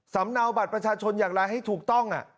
เนาบัตรประชาชนอย่างไรให้ถูกต้อง